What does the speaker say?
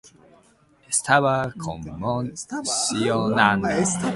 Estaba conmocionada.